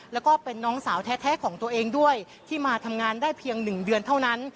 แล้วก็เป็นน้องสาวแท้ของตัวเองด้วยที่มาทำงานได้เพียง๑เดือนเท่านั้น